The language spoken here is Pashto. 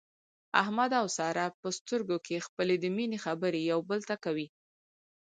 احمد او ساره په سترګو کې خپلې د مینې خبرې یو بل ته کوي.